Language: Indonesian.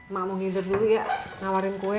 mak mau ngider dulu ya ngawarin kue